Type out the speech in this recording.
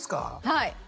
はい。